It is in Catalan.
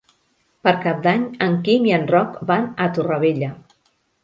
Per Cap d'Any en Quim i en Roc van a Torrevella.